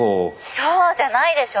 そうじゃないでしょ！